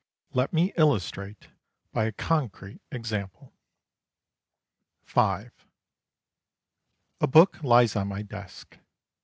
Let me illustrate by a concrete example. V A book lies on my desk.